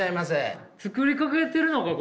作りかけてるのか？